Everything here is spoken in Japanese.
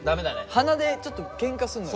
鼻でちょっとけんかすんのよ。